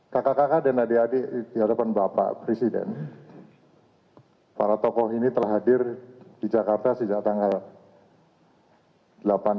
kakak kakak dan adik adik di hadapan bapak presiden para tokoh ini telah hadir di jakarta sejak tanggal